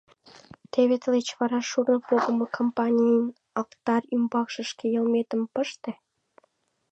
Теве тылеч вара шурно погымо кампанийын алтарь ӱмбакше шке йылметым пыште?..